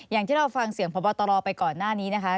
อย่างที่เราฟังเสียงพบตรไปก่อนหน้านี้นะคะ